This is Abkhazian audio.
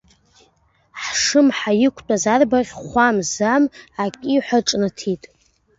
Ҳшымҳа иқәтәаз арбаӷь хәам-зам акиҳәа ҿнаҭит.